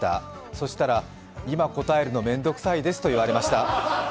そしたら、今、答えるの面倒くさいですと言われました。